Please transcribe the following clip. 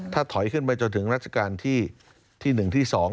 ถ้าถอยขึ้นไปจนถึงรัชกาลที่หนึ่งที่สอง